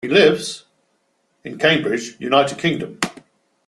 He lives in Cambridge, United Kingdom.